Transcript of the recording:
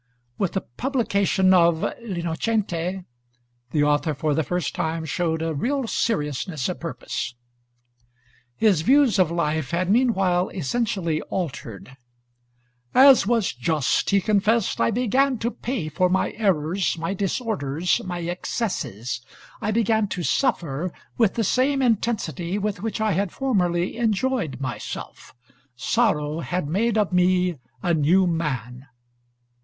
With the publication of 'L'Innocente,' the author for the first time showed a real seriousness of purpose. His views of life had meanwhile essentially altered: "As was just," he confessed, "I began to pay for my errors, my disorders, my excesses: I began to suffer with the same intensity with which I had formerly enjoyed myself; sorrow had made of me a new man."